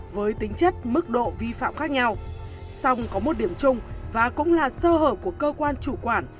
với tính chất mức độ vi phạm khác nhau song có một điểm chung và cũng là sơ hở của cơ quan chủ quản